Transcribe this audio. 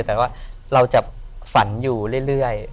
แต่ว่าเราจะฝันอยู่เรื่อย